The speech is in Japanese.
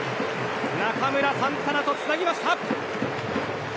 中村、サンタナとつなぎました。